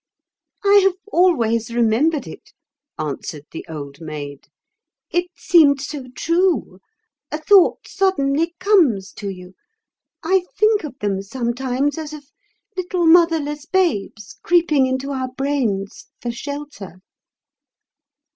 "I have always remembered it," answered the Old Maid. "It seemed so true. A thought suddenly comes to you. I think of them sometimes, as of little motherless babes creeping into our brains for shelter."